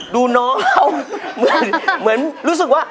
ดูน้องเขาเหมือนรู้สึกว่า